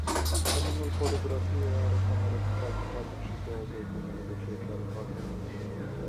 Căminul Poligrafie are camere cu patru paturi și două băi comune pe fiecare palier.